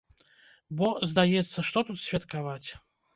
Бо, здаецца, што тут святкаваць?!